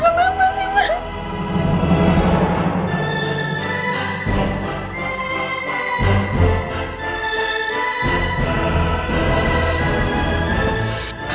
kenapa sih mak